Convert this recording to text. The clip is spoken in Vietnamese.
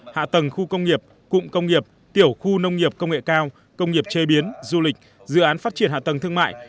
hạ tầng khu công nghiệp cụm công nghiệp tiểu khu nông nghiệp công nghệ cao công nghiệp chế biến du lịch dự án phát triển hạ tầng thương mại